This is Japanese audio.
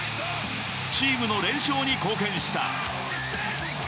チームの連勝に貢献した。